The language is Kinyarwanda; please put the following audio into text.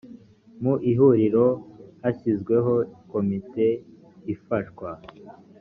mu ihuriro hashyizweho komite ifasha